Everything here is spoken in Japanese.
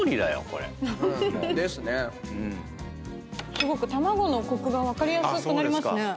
すごく卵のコクが分かりやすくなりますね。